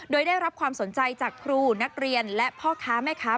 โดยได้รับความสนใจจากครูนักเรียนและพ่อค้าแม่ค้า